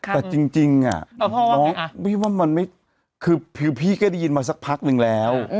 แต่จริงอ่ะพี่ก็ได้ยินมาสักพักนึงแล้ว